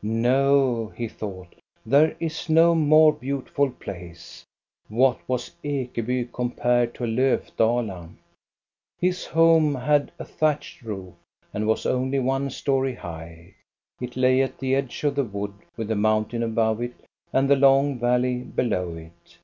" No/' he thought, " there is no more beauti ful place." What was Ekeby compared to Lofdala. His home had a thatched roof and was only one story high. It lay at the edge of the wood, with the moun tain above it and the long valley below it.